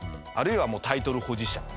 あるいはもうタイトル保持者。